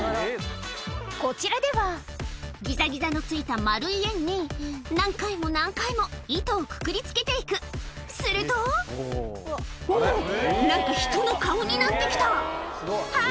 こちらではギザギザの付いた丸い円に何回も何回も糸をくくりつけて行くすると何か人の顔になって来たあっ